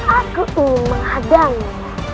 aku ingin menghadanginya